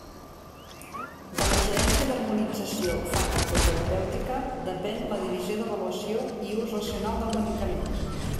De la Gerència d'Harmonització Farmacoterapèutica depèn la Divisió d'Avaluació i Ús Racional del Medicament.